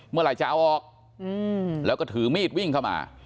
เมื่อไหร่จะเอาออกแล้วก็ถือมีดวิ่งเข้ามา